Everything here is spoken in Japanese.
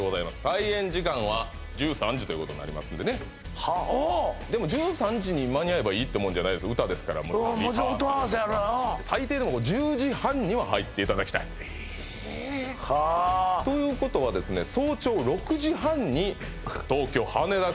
開演時間は１３時ということになりますんでねでも１３時に間に合えばいいってもんじゃないです歌ですからもちろんリハーサルとかもちろん音合わせあるから最低でも１０時半には入っていただきたいえっということはですねえっ？